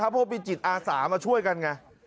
พวกมีจิตอาสามาช่วยกันไง